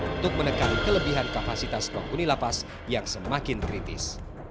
untuk menekan kelebihan kapasitas panggung nilapas yang semakin kritis